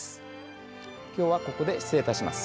きょうはここで失礼いたします。